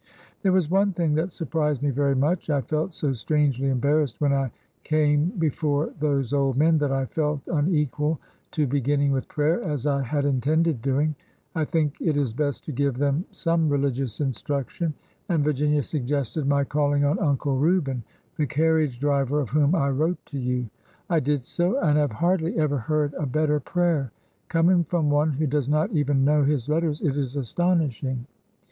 '' There was one thing that surprised me very much. I felt so strangely embarrassed when I came before those old men that I felt unequal to beginning with prayer as I had intended doing, — I think it is best to give them some religious instruction, — and Virginia suggested my call ing on Uncle Reuben, the carriage driver of whom I wrote to you. I did so, and I have hardly ever heard a better prayer. Coming from one who does not even know his letters, it is astonishing!